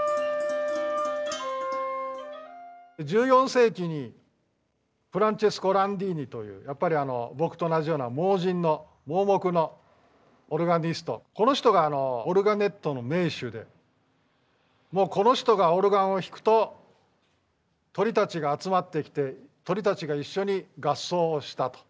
１４世紀にフランチェスコ・ランディーニというやっぱり僕と同じような盲人の盲目のオルガニストこの人がオルガネットの名手でこの人がオルガンを弾くと鳥たちが集まってきて鳥たちが一緒に合奏をしたと。